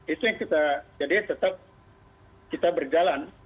itu yang kita jadi tetap kita berjalan